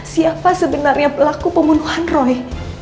siapa sebenarnya pelaku pembunuhan roy